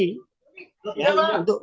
untuk melakukan sedimentasi